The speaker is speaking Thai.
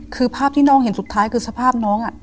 คือภาพที่น้องเห็นสุดท้ายคือสภาพน้อง